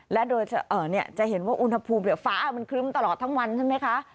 และโดยจะเห็นว่าอุณหภูมิฟ้ามันครึ้มตลอดทั้งวันใช่ไหมคะ